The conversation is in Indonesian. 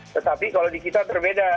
tetapi kalau di kita berbeda